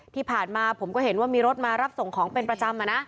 ที่ผ่านมาผมก็เห็นว่ามีรถมารับส่งของเป็นประจำ